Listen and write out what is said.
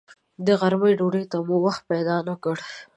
د غرمې ډوډۍ ته مو وخت پیدا نه کړ.